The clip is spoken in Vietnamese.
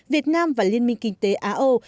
việt nam và liên minh kinh tế a âu